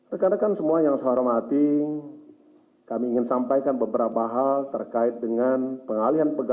rekan rekan semua yang saya hormati kami ingin sampaikan beberapa hal terkait dengan pengalihan pegawai